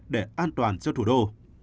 để an toàn cho thủ đô